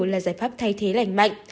là giải pháp thay thế lành mạnh